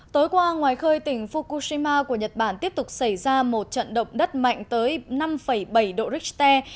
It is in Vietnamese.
tối qua ngoài khơi tỉnh fukushima của nhật bản tiếp tục xảy ra một trận động đất mạnh tới năm bảy độ richter